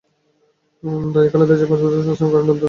রায়ে খালেদা জিয়ার পাঁচ বছরের সশ্রম কারাদণ্ড দেন আদালত।